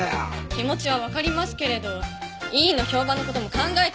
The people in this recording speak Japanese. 気持ちはわかりますけれど医院の評判の事も考えてくださいね。